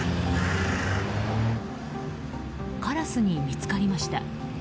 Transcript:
カラスに見つかりました。